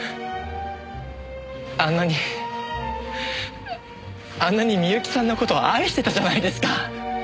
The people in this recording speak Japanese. あんなにあんなに深雪さんの事を愛してたじゃないですか。